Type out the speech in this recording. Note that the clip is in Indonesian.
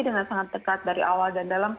dengan sangat dekat dari awal dan dalam